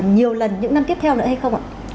nhiều lần những năm tiếp theo nữa hay không ạ